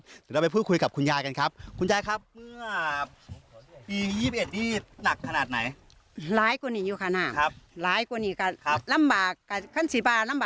เดี๋ยวเราไปพูดคุยกับคุณยายกันครับ